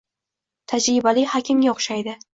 Tajribali hakimga o`xshaydi